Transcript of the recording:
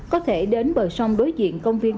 có thể đến bờ sông đối diện công viên